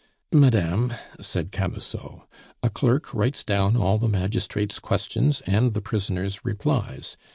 "Madame," said Camusot, "a clerk writes down all the magistrate's questions and the prisoner's replies.